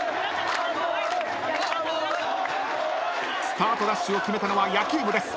スタートダッシュを決めたのは野球部です。